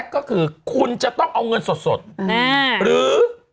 คุณจะต้องเอาเงินสดหรือ